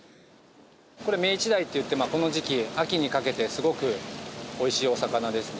これメイチダイっていってこの時期秋にかけてすごく美味しいお魚ですね。